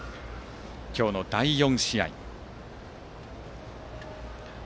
今日の第４試合です。